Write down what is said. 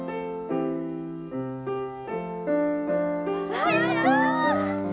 わやった！